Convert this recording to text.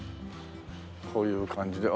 こういう感じで。